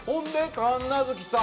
神奈月さん